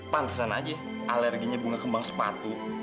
pantesan aja alerginya bunga kembang sepatu